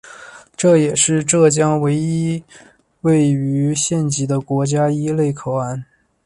这也是浙江省唯一位于县级的国家一类口岸。